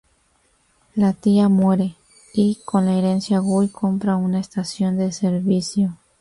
La tía muere, y, con la herencia, Guy compra una estación de servicio.